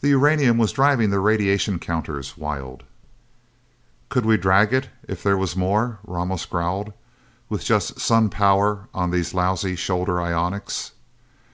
The uranium was driving their radiation counters wild. "Could we drag it, if there was more?" Ramos growled. "With just sun power on these lousy shoulder ionics?"